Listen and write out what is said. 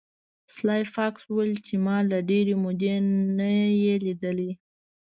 سلای فاکس وویل چې ما له ډیرې مودې نه یې لیدلی